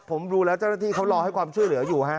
ผมดูแล้วเจ้าหน้าที่เขารอให้ความช่วยเหลืออยู่ฮะ